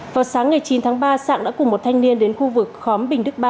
vào sáng ngày chín tháng ba sẵn đã cùng một thanh niên đến khu vực khóm bình đức ba